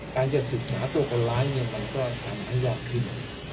การจะสืบหาตัวคนร้ายเนี่ยมันก็ทำให้ยากขึ้น